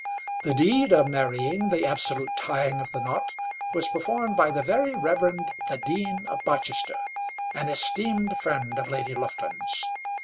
The deed of marrying, the absolute tying of the knot, was performed by the Very Reverend the Dean of Barchester, an esteemed friend of Lady Lufton's.